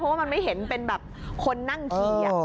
เพราะว่ามันไม่เห็นเป็นแบบคนนั่งขี่